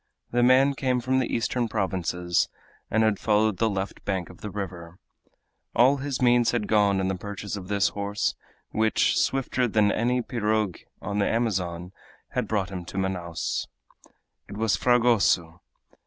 The man came from the eastern provinces, and had followed the left bank of the river. All his means had gone in the purchase of this horse, which, swifter far than any pirogue on the Amazon, had brought him to Manaos. It was Fragoso!